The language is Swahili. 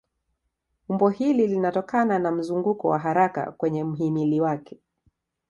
Umbo hili linatokana na mzunguko wa haraka kwenye mhimili wake.